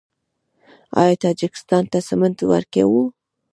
آیا تاجکستان ته سمنټ ورکوو؟